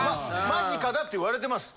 間近だって言われてます。